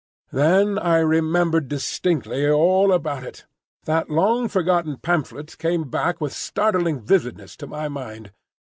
Then I remembered distinctly all about it. That long forgotten pamphlet came back with startling vividness to my mind.